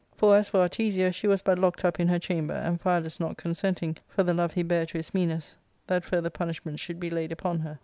For, as for Artesia, she was but locked up in her chamber, Amphialus not consenting, for the love he bare to Ismenus, that further punishment should be laid upon her.